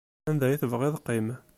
Anda i tebɣiḍ qqim.